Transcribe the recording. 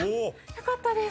よかったです。